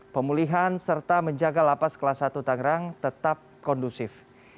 pemulihan serta menjaga lapas kelas satu tangerang tetap kondusif